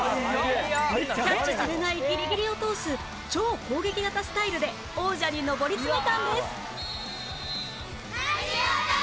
キャッチされないギリギリを通す超攻撃型スタイルで王者に上り詰めたんです